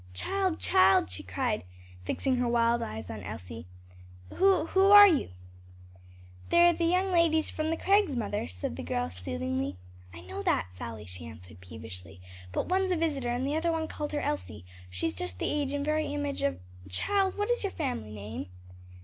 "Child! child!" she cried, fixing her wild eyes on Elsie, "who who are you?" "They're the young ladies from the Crags, mother," said the girl soothingly. "I know that, Sally," she answered peevishly, "but one's a visitor, and the other one called her Elsie, she's just the age and very image of child, what is your family name?"